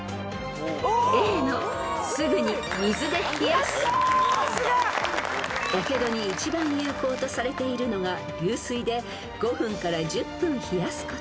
［やけどに一番有効とされているのが流水で５分から１０分冷やすこと］